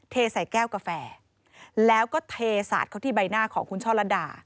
เทใส่แก้วกาแฟแล้วก็เทสาดเขาที่ใบหน้าของคุณช่อลัดดา